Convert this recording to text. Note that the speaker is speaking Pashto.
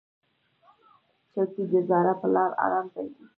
چوکۍ د زاړه پلار ارام ځای دی.